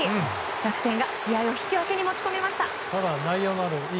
楽天が試合を引き分けに持ち込みました。